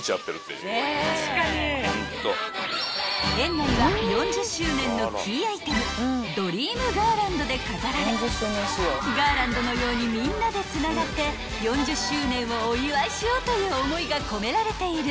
［園内は４０周年のキーアイテムドリームガーランドで飾られガーランドのようにみんなでつながって４０周年をお祝いしようという思いが込められている］